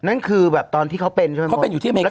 นั่นคือแบบตอนที่เขาเป็นใช่ไหมครับ